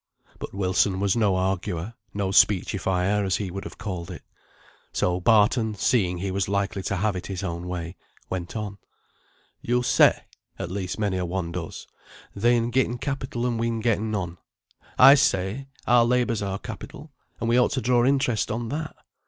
But Wilson was no arguer; no speechifier as he would have called it. So Barton, seeing he was likely to have it his own way, went on. "You'll say (at least many a one does), they'n getten capital an' we'n getten none. I say, our labour's our capital and we ought to draw interest on that.